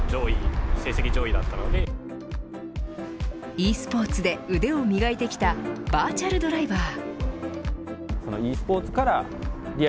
ｅスポーツで腕を磨いてきたバーチャルドライバー。